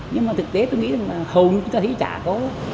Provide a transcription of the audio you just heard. nhưng mà thực tế tôi nghĩ là hầu như chúng ta thấy chả có